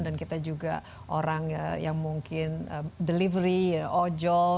dan kita juga orang yang mungkin delivery ojol